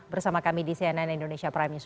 bersama kami di cnn indonesia prime news